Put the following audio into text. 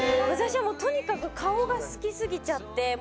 私はもうとにかく顔が好きすぎちゃって。